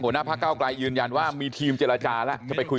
หน้าพระเก้าไกลยืนยันว่ามีทีมเจรจาแล้วจะไปคุย